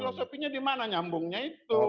filosofinya di mana nyambungnya itu